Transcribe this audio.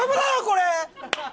これ！